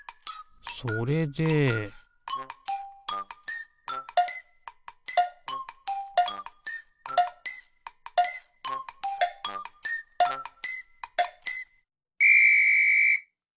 それでピッ！